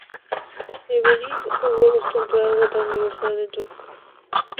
Avery jugó dos temporadas en la Universidad de Duke.